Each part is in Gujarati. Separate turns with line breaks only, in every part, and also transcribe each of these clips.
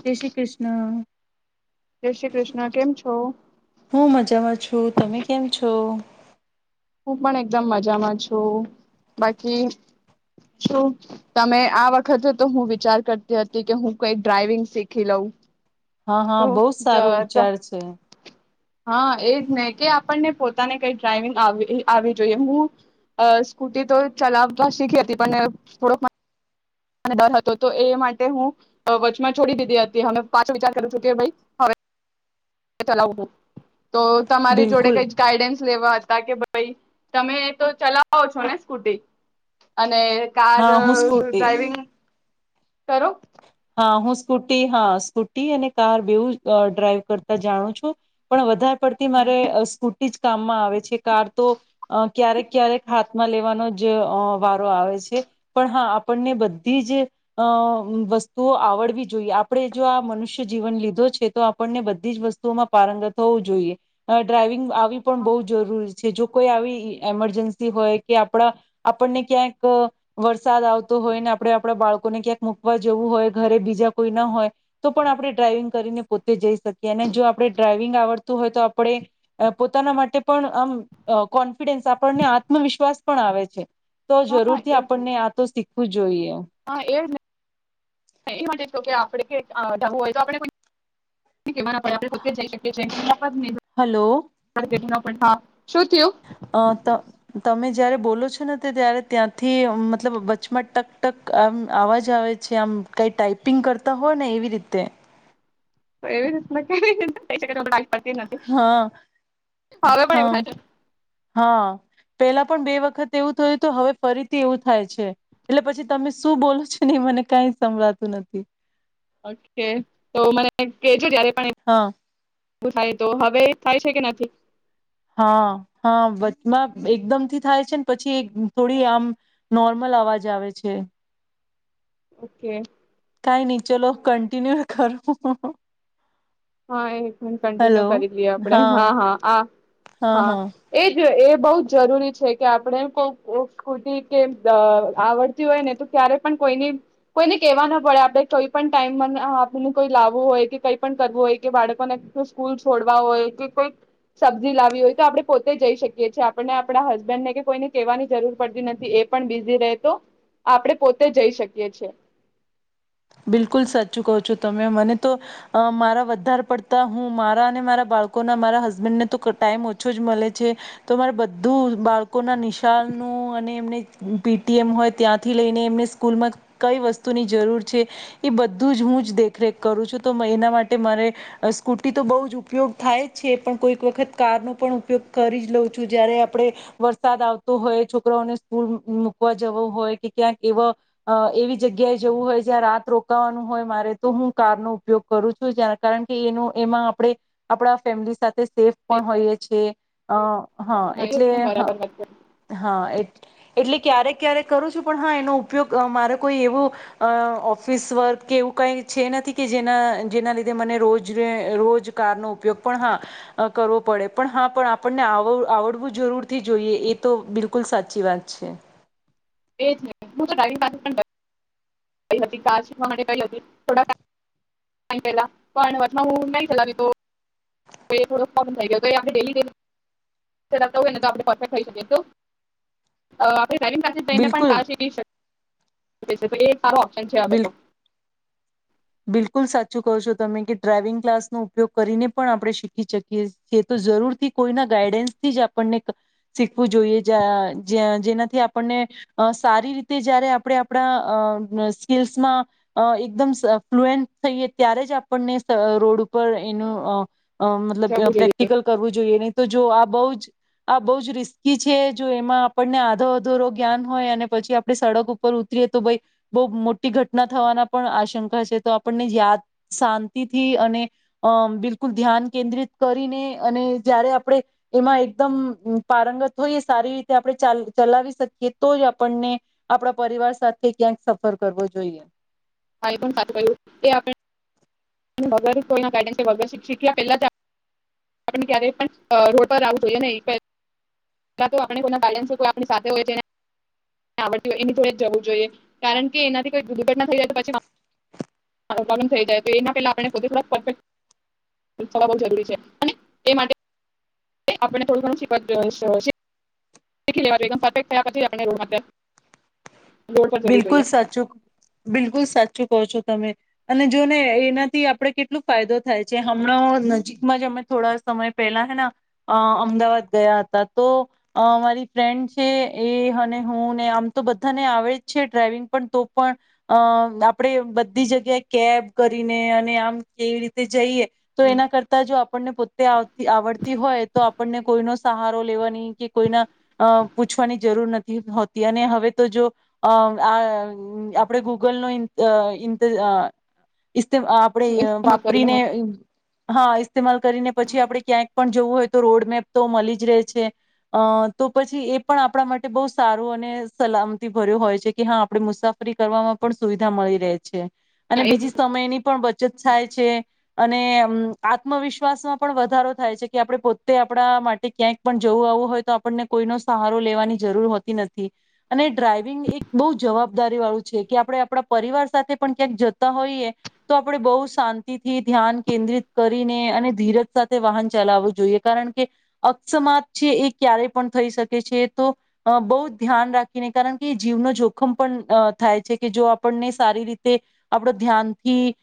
જય શ્રી ક્રષ્ણ,
જય શ્રી કૃષ્ણ કેમ છો
હું મજામાં છું. [unintelligible] તમે કેમ છો?
હું પણ એકદમ મજામાં છું, બાકી શું તમે આ વખતે તો હું વિચાર કરતી હતી કે હું કંઈક ડ્રાઈવિંગ શીખી લઉં.
હા, હા, બઉ સારો
તો
વિચાર છે.
હા એજ ને કે આપણને પોતાને કંઈ ડ્રાઈવિંગ આવી ક આવી જોઈએ, હું અ સ્કૂટી તો ચલાવતા શીખી હતી પણ થોડોકમાં અને ડર હતો તો એ માટે હું અ વચમાં છોડી દીધી હતી [unintelligible] પાછો વિચાર કરું છું કે ભઈ હવે કે ચલાવ હું તો તમારી જોડે
બિલકુલ
કંઈ જ ગાઈડન્સ લેવા જ કા કે [unintelligible] ભઈ તમે તો ચલાવો છો ને સ્કૂટી? અને કાર
હા હું સ્કૂટી
ડ્રાઈવિંગ કરો.
હા હું સ્કૂટી, હા સ્કૂટી અને કાર બેવું જ ડ્રાઈવ કરતા જાણું છું પણ વધાર પડતી મારે સ્કૂટી જ કામમાં આવે છે, કાર તો અહ ક્યારેક-ક્યારેક હાથમાં લેવાનો જ અહ વારો આવે છે, પણ હા આપણને બધી જ અહ વસ તું આવડવી જોઈએ, આપણે જો આ મનુષ્ય જીવન લીધો છે, તો આપણને બધી જ વસ્તુઓમાં પારંગત હોવું જોઈએ. અહ ડ્રાઈવિંગ [unintelligible] આવી પણ બહુ જરૂરી છે, જો કોઈ આવી એમરજન્સી હોય, કે આપડા આપણને ક્યાંક વરસાદ આવતો હોય, ને આપણે આપણા બાળકોને ક્યાંક મૂકવા જવું હોય ઘરે બીજા કોઈ ના હોય તો પણ આપણે ડ્રાઈવિંગ કરીને પોતે જઈ શકીએ, અને જો આપણે ડ્રાાઈવિંગ આવડતું હોય, તો આપણે પોતાના માટે પણ આમ કોન્ફિડન્સ આપણને આત્મવિશ્વાસ પણ આવે છે. તો
હા
જરૂર થી
એ
આપણને આ તો શીખવું જ જોઈએ.
હા એ એ માટે તો કે આપણે કે અહ જાવું હોય તો આપણે [unintelligible] જઈ શકી છે [inaudible] [unintelligible]
અહ તો તમે જ જયારે બોલો છો ને તો ત્યારે ત્યાંથી અમ મતલબ વચમાં ટક-ટક આમ અવાજ આવે છે, આમ કઈ ટાઈપિંગ કરતા હોય ને એવી રીતે.
એવી [unintelligible]
હા,
હવે પણ એવું થાય
હા,
છે
હા. પેલા પણ બે વખત એવું થયું તો હવે ફરીથી એવું થાય છે. એટલે પછી તમે શું બોલો છો ને મને કઈ સંભળાતું નથી.
ઓકે તો મને કેજો જ્યારે
હા.
એવું થાય તો. હવે થાય છે કે નથી?
હા, હા, વચમાં એકદમથી થાય છે, ને પછી એક થોડી આમ નોર્મલ અવાજ આવે છે.
ઓકે.
કાઈ નહી ચલો કેન્ટિનિયુ ઈ કરો. ઓ હો.
હા એક મિનટ કન્ટિન્યુ કરી લઈએ આપણે. હા હા, આ હા એજ એ એઓ બહ જરૂરી છે, કે આપણે કોક ઓ સ્કૂટી કે આહ આવડતી હોય ને તો ક્યારે પણ કોઈની કોઈને કેવા ના પડે આપણે કઈ પણ ટાઈમ આહ આપણ ને કોઈ લાવવું હોય કે કઈ પણ કરવું હોય કે બાળકોને સ્કૂલ છોડવા હોય કે કોઈ સબ્જી લાવી હોય તો આપણે પોતે જઈ શકીએ છીએ આપને આપ હસબન્ડને કે કોઈને કેવાની જરૂર પડતી નથી, એ પણ બિઝી રહે તો આપડે પોતે જઈ શકીએ છીએ.
બિલકુલ સાચું કહું છો તમે મને તો અહ મારા વધારે પડતા હું મારા અને મારા બાળકોના મારા હસબન્ડને તો ટાઈમ ઓછો જ મલે છે, તો મારે બધું બાળકોના નિશાનનું અને એમને પી ટી એમ હોય ત્યાંથી લઈને એમને સ્કૂલમાં કઈ વસ્તુની જરૂર છે, એ બધુંજ હુંજ દેખરેખ કરું છું, તો એના માટે મારે સ્કૂટી તો બહુજ ઉપયોગ થાય જ છે, પણ કોઈક વખત કાર નો પણ ઉપયોગ કરી જ લઉં છું, જયારે આપણે વરસાદ આવતો હોય છોકરાઓને સ્કૂલ મૂકવા જવો હોય, કે ક્યાંક એવ અહ એવી જગ્યાએ જવું હોય જ્યાં રાત રોકાવાનું હોય મારે તો હું કાર નો ઉપયોગ કરું છું. જા કારણ કે એનું એમાં આપણે આપણા ફેમિલી સાથ થે સેફ પણ હોઈએ છે. અહ હા એટલે હ
બરાબર વાત
હા એટ એટલે ક્યારેક ક્યારેક કરું છું, પણ હા એનો ઉપયોગ મારે કોઈ એવો અહ ઓફિસ વર્ક કે એવું કંઈ છે નથી કે જેના જેના લીધે મને રોજને રોજ કારનો ઉપયોગ પણ હા કરવો પડે, પણ હા પણ આપણને આવો-આવડવું જરૂરથી જોઈએ એ તો બિલકુલ સાચી વાત છે.
એજ ને, હું તો ડ્રાઈવિંગ ક્લાસેસ પણ ગઈ હતી. કાર શીખવા માટે ગઈ હતી, થોડા ટાઈમ પહેલા. પણ હવે હુ નહિં ચલાવતી તો તો એ થોડો [unintelligible] થઈ ગયો તો એ આપણે ડેલી-ડેલી ચલાવતા હોય ને તો આપણે પરફેક્ટ થઈ શકીએ તો અહ
બિલકુલ
[unintelligible] [unintelligible] સારો ઓપ્શન છે હવે
બિલકુલ
તો.
બિલકુલ સાચું કહો છો તમે કે ડ્રાઈવિંગ ક્લાસનો ઉપયોગ કરીને પણ આપણે શીખી શકીએ છે, તો જરૂરથી કોઈના ગાઈડન્સથી જ આપણને શીખવું જોઈએ. જ જ જેનાથી આપણને સારી રીતે જ્યારે આપણે આપણા અહ સ્કિલ્સમાં અહ એકદમ સ ફ્લુએંસ થઈએ ત્યારે જ આપણને રોડ સ ઉપર એનું અહ અહ મતલબ
જવું જોઈએ
પ્રેક્ટિકલ કરવું જોઈએ નહી તો જો આ બહુ જ આ બહુ જ રિસ્કી છે જો એમાં આપણને આધો અધોરો જ્ઞાન હોય અને પછી આપડે સડક ઉપર ઉતરીએ તો ભાઈ બહુ મોટી ઘટના થવાના પણ આશંકા છે. તો આપણને યાદ શાંતિથી અને અહ બિલકુલ ધ્યાન કેન્દ્રિત કરીને અને જયારે આપણે એમાં એકદમ પારંગત હોઈએ સારી રીતે આપણે ચાલ ચલાવી શકીએ તો જ આપણને આપણા પરિવાર સાથે ક્યાંક સફર કરવો જોઈએ.
હા એ પણ સાચું ક્હયું કે આપણે વગર કોઈના ગાઈડન્સ [unintelligible] પહેલા જ આ આપડને ક્યારેય પણ રોડ પર આવવું જોઈએ નહી. પેલા તો આપ કોઈના [unintelligible] સાથે હોય, તેને આવડતી હોય એની જોડે જ જવું જોઈએ, કારણ કે એનાથી કોઈ દુર્ઘટના થઈ જાય તો પછી, પ્રોબ્લેમ થઈ જાય તો એના પહેલા આપમે [unintelligible] જરૂરી છે. એ માટે [unintelligible] આપણે થોડું ઘણું શી [unintelligible] શીખી [unintelligible] પરફેક્ટ થયા પછી જ આપણે રોડ [unintelligible] રોડ પર જવું
બિલકુલ
જોઈએ
સાચું ક, બિલકુલ સાચુ કહો છો તમે, અને જો ને એનાથી આપડે કેટલું ફાયદો થાય છે. હમણાં નજીકમાં જ અમે થોડા સમય પહેલા હેના અહ અમદાવાદ ગયા હતા તો અહ મારી ફ્રેન્ડ છે એ અને હું ને આમ તો બધાને આવે છે ડ્રાઈવિંગ પણ તો પણ અહ આપણેે બધી જગ્યાએ કેબ કરીને અને આમ કેવી તે રીતે જઈએ તો એના કરતા જો આપ આપણને પોતે આવતી આવડતી હોય તો આપણને કોઈનો સહારો લેવાની કે કોઈના અહ પૂછવાની જરૂર નથી હોતી અને હવે તો જો અ આ આપડે ગૂગલ નો [unintelligible] આપણે
ઇસ્તેમાલ કરીને
વાપરીને હા. ઇસ્તમાલ કરીને પછી આપડે ક્યાંક પણ જવું હોય તો રોડ મેપ તો મળી જ રહે છે અ તો પછી એ પણ આપણા માટે બહુ સારું અને સલામતી ભર્યો હોય છે. છે કે હા આપડે મુસાફરી કરવાવામાં પણ સુવિધા મળી રહે છે. અને
એ
બીજી સમયની પણ બચત થાય છે. અને આત્મવિશ્વાસમાં પણ વધારો થાય છે કે આપણે પોતે આપણા માટે ક્યાંક પણ જવું આવું હોય તો આપણને કોઈનો સહારો લેવાની જરૂર હોતી નથી અને ડ્રાઈવિંગ એક. બહુ જવાબદારી વાળું છે કે આપણે આપણા પરિવાર સાથે પણ ક્યાંક જતા હોઈએ તો આપણે બહુ શાંતિથી ધ્યાન કેન્દ્રિત કરીને અને ધીરજ સાથે વાહન ચલાવવું જોઈએ કારણ કે અકસ્માત છે એ ક્યારે પણ થઈ શકે છે તો બહુ ધ્યાન રાખીને કારણ કે. જીવનો જોખમ પણ થાય છે કે જો આપણને સારી રીતે આપડો ધ્યાનથી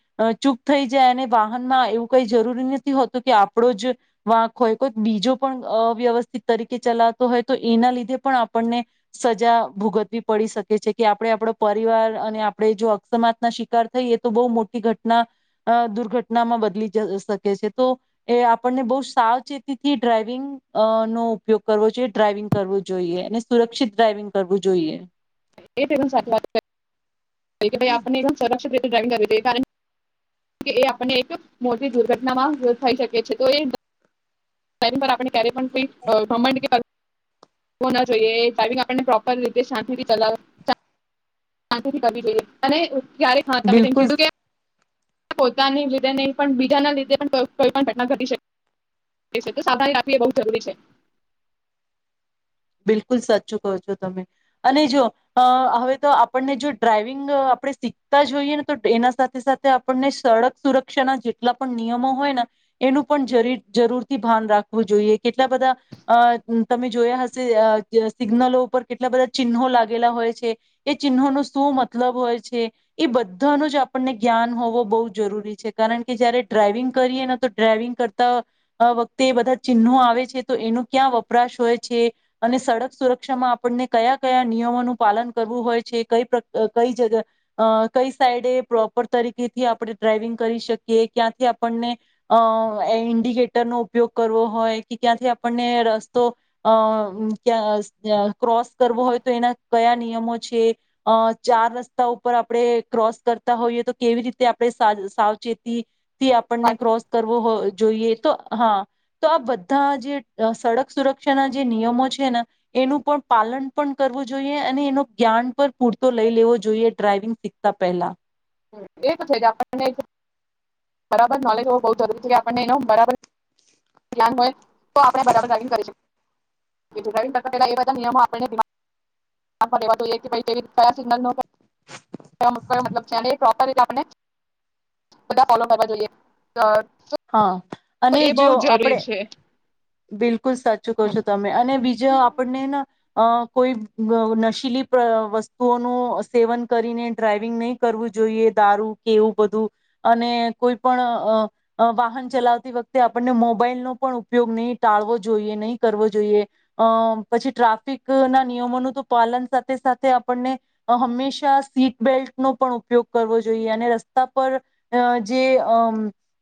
ચૂપ થઈ જાય અને વાહનમાં એવું કઈ જરૂરી નથી હોતું કે આપણો જ વાંક હોય કોઈ બીજો પણ અવ્યવસ્થિત તરીકે ચલાવતો હોય તો એના લીધે પણ આપણને સજા ભૂગવવી. પડી શકે છે કે આપણે આપણો પરિવાર અને આપણે જો અકસ્માત ના શિકાર થઈએ તો બહુ મોટી ઘટના દુર્ઘટનામાં બદલી શકે છે તો એ આપણને બહ સાવચેતીથી ડ્રાાઈવિંગ અ નો ઉપયોગ કરવો જોઈએ ડ્રાાઈવિંગ કરવું જોઈએ અને સુરક્ષિત ડ્રાાઈવિંગ કરવું જોઈએ.
એટ સાચી વાત કરી ભાઈ આપણને એકદમ સુરક્ષિત રીતે ડ્રાઈવે કરે તે કાર એ આપને એક મોટી દુર્ઘટનામાં થઈ શકે છે તો એ ટાઈમે આપણે. ત્યારે પણ કોઈ ગ કે. ના જોઈએ ડ્રવિંગ આપણને પ્રોપર રીતે શાંતિથી ચલાવ. શા થી કી લઈએ અને. ક્યારે ખા ત ત
બિલકુલ
કીધું કેમ. પોતાની લીધે નહી પણ બીજાના લીધે પણ કોઈ પણ ઘટના ઘટી શકે સાવધાની રાખવી એ બહુ જરૂરી છે.
બિલકુલ સાચું કહો છો તમે અને જો હવે તો આપણને જો ડ્રાાઈવિંગ આપણે શીખતા જોઈએ ને તો એના સાથે સાથે આપણને સડક સુરક્ષાના જેટલા પણ નિયમો હોય ને એનું પણ જરૂરથી ભાન રાખવું જોઈએ કેટલા બધા અ તમે જોયા હ. સિગ્નલો ઉપર કેટલા બધા ચિહ્નો લાગેલા હોય છે એ ચિહ્નોનો શું મતલબ હોય છે એ બધાનું જ આપણને જ્ઞાન હોવું બહુ જરૂરી છે કારણ કે જયારે ડ્રાાઈવિંગ કરીએને તો ડ્રાાઈવિંગ કરતા વખતે એ બધા ચિહ્નો આવે છે તો એનો ક્યાં વપરાશ હોય છે. અને સડક સુરક્ષામાં આપણને કયા કયા નિયમોનું પાલન કરવું હોય છે કઈ પ્ર કઈ જગ્યા કઈ સાઈડે પ્રોપર તરીકેથી આપણે ડ્રાઈવિંગ કરી શકીએ ક્યાંથી આપણને અ ઇન્ડિકેટરનો ઉપયોગ કરવો હોય કે ક્યાંથી આપણને રસ્તો અ. ત્યાં ક્રોસ. કરવો હોય તો એના કયા. નિયમો છે અ ચાર રસ્તા ઉપર આપણે ક્રોસ કરતા હોઈએ તો કેવી રીતે આપણે સાવચેતી. થી આપણને
બાકી
ક્રોસ કરવો હોય. જોઈએ તો હા તો આ બધા જે સડક સુરક્ષાના જે નિયમો. એનું પણ પાલન પણ કરવું જોઈએ અને એનો જ્ઞાન પણ પૂરતો લઈ લેવો જોઈએ ડ્રાઈવિંગ શીખતા પહેલા.
એ છે જ આપને બરાબર નોલેજ હોવ બ જરૂરી છે કે આપણને એ બબર ધ્યાન હોય તો આપણે બરાબર ડ્રાયવીંગ કરી શકીએ ડ્રાયવિંગ કરતા પહેલા એ એ બધા નિયમો આપે ને પ્રોપર રીતે આપણે બધા ફોલો કરવા જોઈએ.
હા. અને
એ બહુ
જો
જરૂરી
આપણે
છે
બિલકુલ સાચું કહ છો તમે અને બીજા આપણને. અ કોઈ નશીલી વસ્તુઓનું સેવન કરીને ડ્રાઈવિંગ નહીં કરવું જોઈએ દારૂ કેવું બધું અને કોઈ પણ વાહન ચલાવતી વખતે આપણને મોબાઈલનો પણ ઉપયોગ નહી ટાળવો જોઈએ નહીં કરવો જોઈએ અ પછી ટ્રાફિકના નિયમોનું તો પાલન સાથે સાથે આપણને હંમેશા સીટ બેલ્ટનોો પણ ઉપયોગ કરવો જોઈએ અને રસ્તા પર જે અ.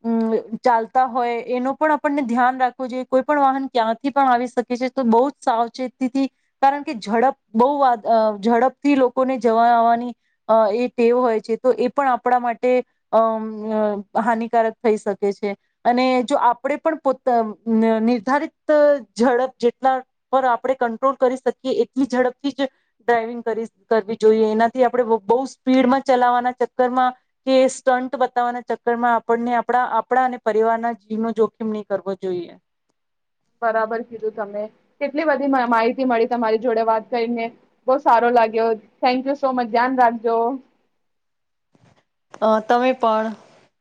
મ ચાલતા હોય એનો પણ આપણને ધ્યાન રાખવું જોઈએ કોઈ પણ વાહન ક્યાંથી પણ આવી શકે છે તો બહુ જ સાવચેતીથી કારણ કે ઝડપ બહુ ઝડપથી લોકોને જવા આવવાની અ એ ટેવ હોય છે તો એ પણ આપણા માટે અમ હાનિકારક. થઈ શકે છે અને જો આપણે પણ પો નિર્ધારિત ઝડપ જેટલા પર આપણે કંટ્રોલ કરી શકીએ એટલી ઝડપથી જ ડ્રાઈવિંગ કરી કરવી જોઈએ એનાથી આપણે બહુ સ્પીડમાં ચલાવવાના ચક્કરમાં કે સ્ટન્ટ બતાવવાના ચક્કરમાં આપણને. આપણા આપણા અને પરિવારના જીવનો જોખીમ નહી કરવો જોઈએ.
બરાબર કીધું તમે કેટલી બધી માહિતી મળી તમારી જોડે વાત કરીને બહુ સારો લાગ્યો થેન્ક યુ સો મચ ધ્યાન રાખજો.
અ તમે પણ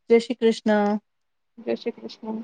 જય શ્રી કૃષ્ણ.
જય શ્રી કૃષ્ણ.